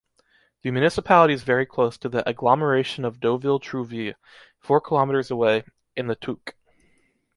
The municipality is very close to the agglomeration of Deauville-Trouville, four kilometers away, in the Touques.